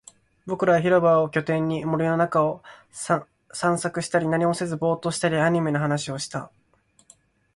僕らは広場を拠点に、林の中を探索したり、何もせずボーっとしたり、アニメの話をしたり